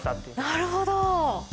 なるほど。